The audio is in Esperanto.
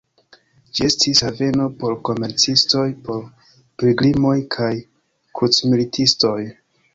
Ĝi estis haveno por komercistoj, por pilgrimoj kaj krucmilitistoj.